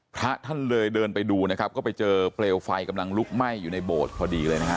พระท่านเลยเดินไปดูนะครับก็ไปเจอเปลวไฟกำลังลุกไหม้อยู่ในโบสถ์พอดีเลยนะฮะ